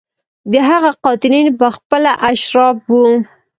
د هغه قاتلین په خپله اشراف وو.